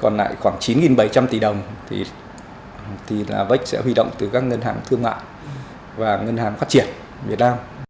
còn lại khoảng chín bảy trăm linh tỷ đồng vay sẽ huy động từ các ngân hàng thương mại và ngân hàng phát triển việt nam